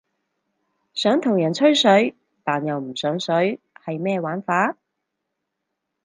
想同人吹水但又唔上水係咩玩法？